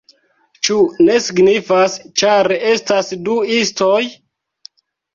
Ĉu ne signifas, ĉar estas du istoj?